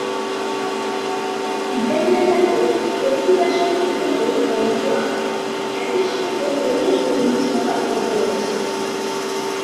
বিজ্ঞানীরা জানতেন, প্রতিটি রাসায়নিক মৌলের পরমাণু আলাদা, একের সাথে অন্যের সুনির্দিষ্ট পার্থক্য রয়েছে।